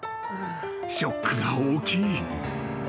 ［ショックが大きい］